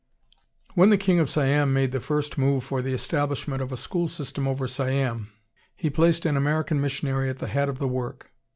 When the King of Siam made the first move for the establishment of a school system over Siam, he placed an American missionary at the head of the work.